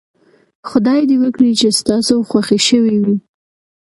خدای دې وکړي چې ستاسو خوښې شوې وي.